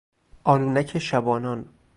آلونک شبانان